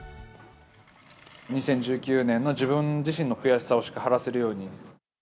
２０１９年の自分自身の悔しさをしっかり晴らせるように。